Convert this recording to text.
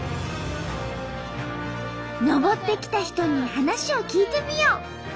登ってきた人に話を聞いてみよう。